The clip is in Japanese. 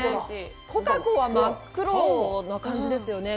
コカコは真っ黒な感じですよね？